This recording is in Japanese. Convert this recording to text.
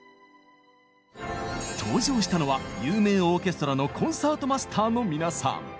登場したのは有名オーケストラのコンサートマスターの皆さん。